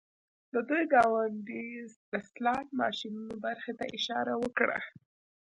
د دوی ګاونډۍ د سلاټ ماشینونو برخې ته اشاره وکړه